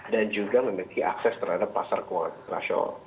dan juga memiliki akses terhadap pasar keuangan internasional